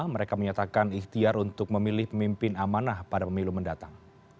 mereka menyatakan ikhtiar untuk memilih pemimpin amanah pada pemilu mendatang